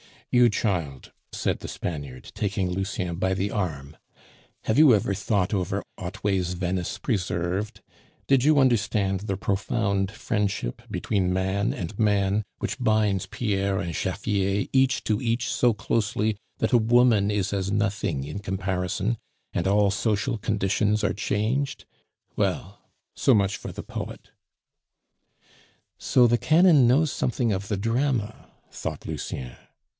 "You child," said the Spaniard, taking Lucien by the arm, "have you ever thought over Otway's Venice Preserved? Did you understand the profound friendship between man and man which binds Pierre and Jaffier each to each so closely that a woman is as nothing in comparison, and all social conditions are changed? Well, so much for the poet." "So the canon knows something of the drama," thought Lucien.